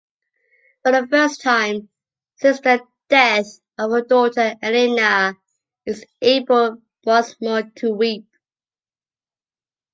For the first time since the death of her daughter, Elena is able once more to weep.